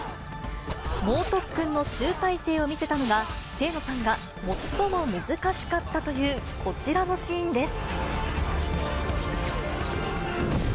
猛特訓の集大成を見せたのが、清野さんが最も難しかったというこちらのシーンです。